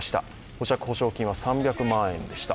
保釈保証金は３００万円でした。